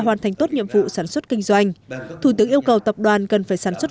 hoàn thành tốt nhiệm vụ sản xuất kinh doanh thủ tướng yêu cầu tập đoàn cần phải sản xuất